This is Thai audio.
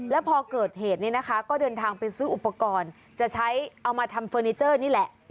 แล้วพอเกิดเหตุนี้นะคะก็เดินทางไปซื้ออุปกรณ์จะใช้เอามาทำเฟอร์นิเจอร์นี่แหละ